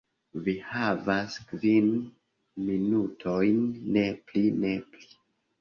Vi havas kvin minutojn. Ne pli. Ne pli."